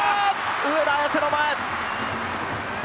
上田綺世の前。